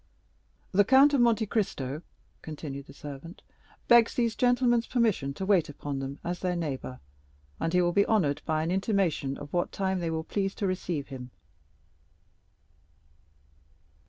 The Count of Monte Cristo," continued the servant, "begs these gentlemen's permission to wait upon them as their neighbor, and he will be honored by an intimation of what time they will please to receive him."